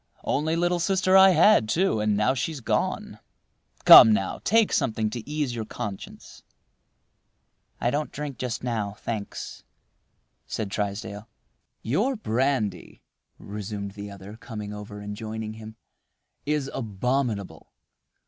Only little sister I had, too, and now she's gone. Come now! take something to ease your conscience." "I don't drink just now, thanks," said Trysdale. "Your brandy," resumed the other, coming over and joining him, "is abominable.